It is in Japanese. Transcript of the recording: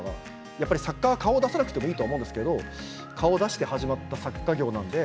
やっぱり作家は顔を出さなくてもいいと思うんですけど顔を出して始まった作家業なので